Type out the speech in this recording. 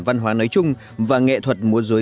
văn hóa nói chung và nghệ thuật mô dối